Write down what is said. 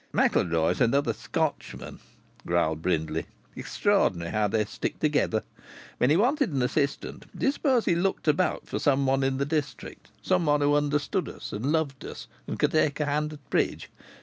"MacIlroy is another Scotchman," growled Brindley. "Extraordinary how they stick together! When he wanted an assistant, do you suppose he looked about for some one in the district, some one who understood us and loved us and could take a hand at bridge?